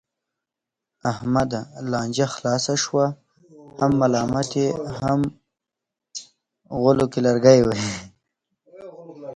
احمده! لانجه خلاصه شوه، هم ملامت یې هم غولو کې لرګی وهې.